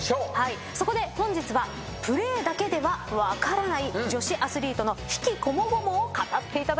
そこで本日はプレーだけでは分からない女子アスリートの悲喜こもごもを語っていただきます。